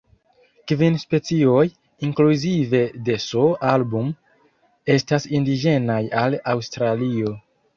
Kvin specioj, inkluzive de "S. album", estas indiĝenaj al Aŭstralio.